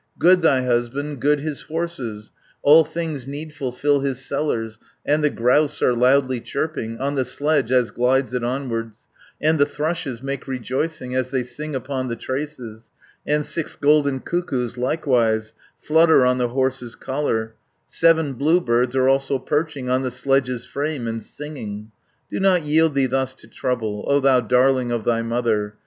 Good thy husband, good his horses, All things needful fill his cellars, And the grouse are loudly chirping, On the sledge, as glides it onwards, And the thrushes make rejoicing, As they sing upon the traces, And six golden cuckoos likewise Flutter on the horse's collar, 480 Seven blue birds are also perching, On the sledge's frame, and singing. "Do not yield thee thus to trouble, O thou darling of thy mother!